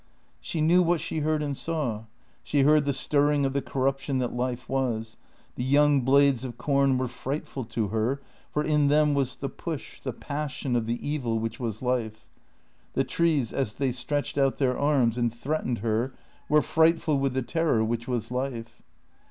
She knew what she heard and saw. She heard the stirring of the corruption that Life was; the young blades of corn were frightful to her, for in them was the push, the passion of the evil which was Life; the trees as they stretched out their arms and threatened her were frightful with the terror which was Life.